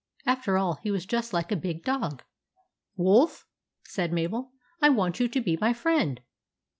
After all, he was just like a big dog. "Wolf," said Mabel, "I want you to be my friend